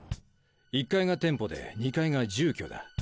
１階が店舗で２階が住居だ。